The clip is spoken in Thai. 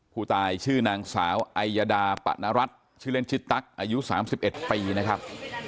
ผู้ตายชื่อนางสาวไอยดาปะนรัฐชื่อเล่นชื่อตั๊กอายุ๓๑ปีนะครับ